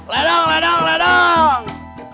ledang ledang ledang